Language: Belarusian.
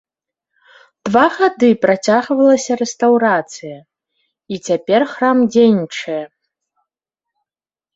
Два гады працягвалася рэстаўрацыя, і цяпер храм дзейнічае.